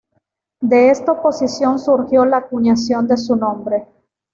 De esta oposición surgió la acuñación de su nombre.